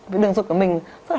với đường ruột của mình